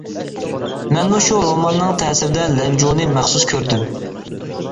مەنمۇ شۇ روماننىڭ تەسىرىدە لەنجۇنى مەخسۇس كۆردۈم.